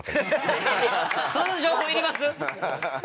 その情報いります？